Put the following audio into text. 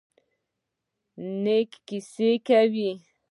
نیکه کیسې کوي.